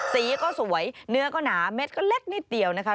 สีก็สวยเนื้อก็หนาเม็ดก็เล็กนิดเดียวนะคะ